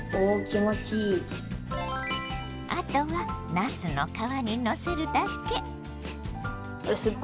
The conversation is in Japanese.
あとはなすの皮にのせるだけ。